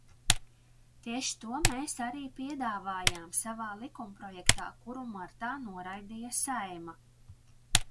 Tieši to mēs arī piedāvājām savā likumprojektā, kuru martā noraidīja Saeima.